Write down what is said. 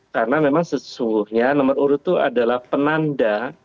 karena memang sesungguhnya nomor urut itu adalah penanda